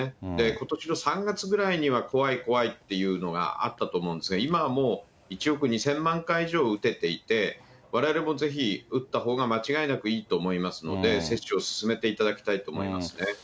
ことしの３月ぐらいには、怖い、怖いっていうのがあったと思うんですが、今はもう、１億２０００万回以上打てていて、われわれもぜひ打ったほうが間違いなくいいと思いますので、接種をすすめていただきたいと思いますね。